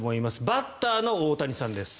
バッターの大谷さんです。